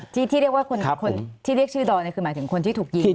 ที่ที่เรียกว่าคนครับคุณที่เรียกชื่อดอนเนี้ยคือหมายถึงคนที่ถูกยิง